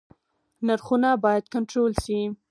نرخونه باید کنټرول شي